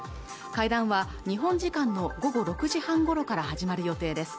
会談は日本時間の午後６時半ごろから始まる予定です